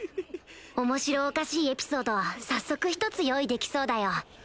面白おかしいエピソードを早速１つ用意できそうだよ